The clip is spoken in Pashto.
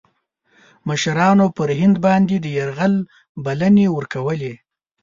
مشـرانو پر هند باندي د یرغل بلني ورکولې.